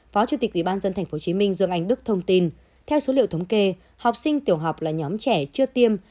phó chủ tịch ủy ban dân tp hcm dương anh đức thông tin theo số liệu thống kê học sinh tiểu học là nhóm trẻ chưa tiêm